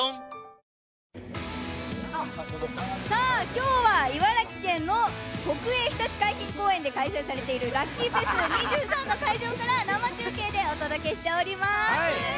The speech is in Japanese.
今日は茨城県の国営ひたち海浜公園で開催されているＬｕｃｋｙＦｅｓ’２３の会場から生中継でお届けしております。